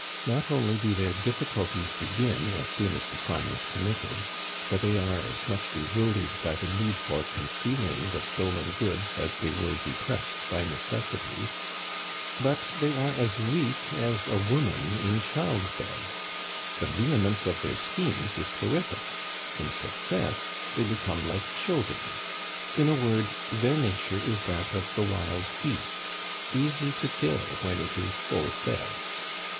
Not only do their difficulties begin as soon as the crime is committed, for they are as much bewildered by the need for concealing the stolen goods as they were depressed by necessity but they are as weak as a woman in childbed. The vehemence of their schemes is terrific; in success they become like children. In a word, their nature is that of the wild beast easy to kill when it is full fed.